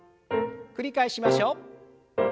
繰り返しましょう。